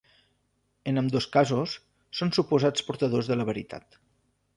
En ambdós casos, són suposats portadors de la veritat.